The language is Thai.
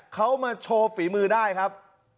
เขามาโชว์ฝีมือได้ครับ